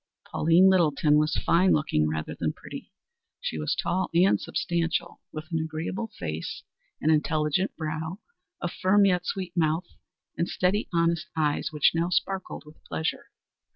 Pauline Littleton was fine looking rather than pretty. She was tall and substantial, with an agreeable face, an intelligent brow, a firm yet sweet mouth, and steady, honest eyes which now sparkled with pleasure.